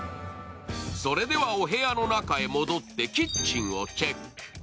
それでは、お部屋の中へ戻ってキッチンをチェック。